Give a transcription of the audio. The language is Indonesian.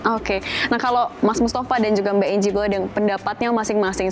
oke nah kalau mas mustafa dan juga mbak enge bahwa pendapatnya masing masing